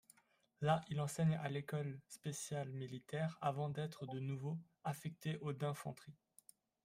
Là, il enseigne à l’École spéciale militaire, avant d'être de nouveau affecté au d'infanterie.